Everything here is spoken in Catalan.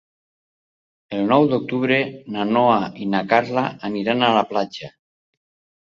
El nou d'octubre na Noa i na Carla aniran a la platja.